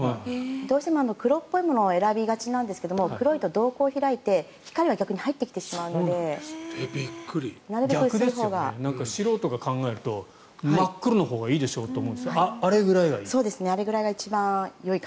どうしても黒っぽいものを選びがちなんですけど黒いと瞳孔が開いて光が逆に入ってきてしまうので素人が考えると真っ黒のほうがいいでしょと思うんですがあれぐらいがいい？